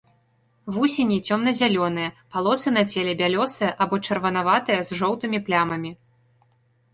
Вусені цёмна-зялёныя, палосы на целе бялёсыя або чырванаватыя, з жоўтымі плямамі.